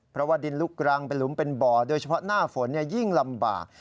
เพราะว่าดินลุกรังเป็นหลุมเป็นบ่อโดยเฉพาะหน้าฝนยิ่งลำบาก